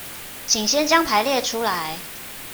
請先將排列出來